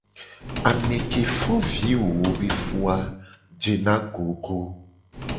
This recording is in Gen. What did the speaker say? Ame ke fo vi wowo be fu a jena gogo.